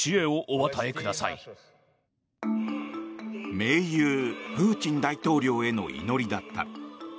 盟友・プーチン大統領への祈りだった。